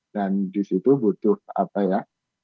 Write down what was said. dan disitu butuh apa ya